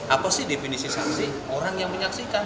apa sih definisi saksi orang yang menyaksikan